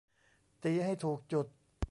ตีให้ถูกจุด